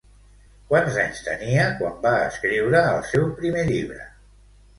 Quants anys tenia quan va escriure el seu primer llibre?